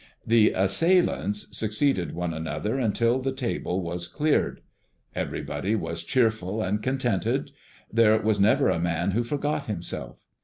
The assailants succeeded one another until the table was cleared. Everybody was cheerful and contented; there was never a man who forgot himself.